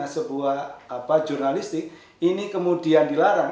sebuah jurnalistik ini kemudian dilarang